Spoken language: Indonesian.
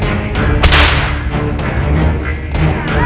bisa tidak kacau